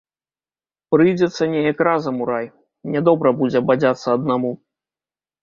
Прыйдзецца неяк разам у рай, нядобра будзе бадзяцца аднаму.